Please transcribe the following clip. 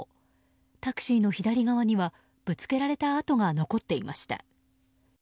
タクシーの左側にはぶつけられた跡が残っていました。